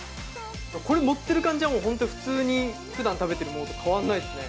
これ持ってる感じはもう本当に普通にふだん食べてるものと変わんないですね。